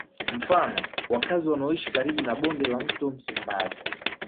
Mfano wakazi wanaoishi karibu na bonde la mto Msimbazi